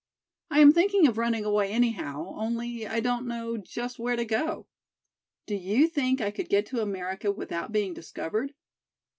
I am thinking of running away anyhow, only I don't know just where to go. Do you think I could get to America without being discovered?